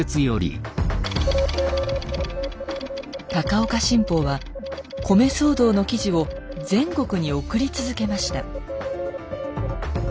「高岡新報」は米騒動の記事を全国に送り続けました。